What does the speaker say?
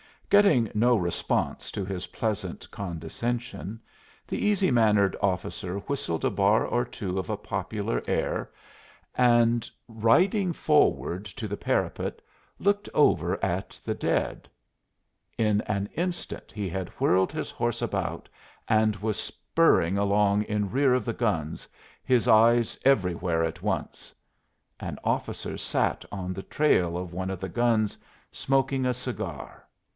Getting no response to his pleasant condescension, the easy mannered officer whistled a bar or two of a popular air, and riding forward to the parapet, looked over at the dead. In an instant he had whirled his horse about and was spurring along in rear of the guns, his eyes everywhere at once. An officer sat on the trail of one of the guns, smoking a cigar.